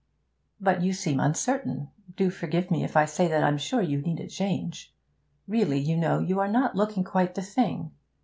'But you seem uncertain. Do forgive me if I say that I'm sure you need a change. Really, you know, you are not looking quite the thing.